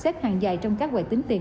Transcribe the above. xếp hàng dài trong các quầy tính tiền